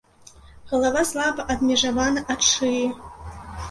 Галава слаба адмежавана ад шыі.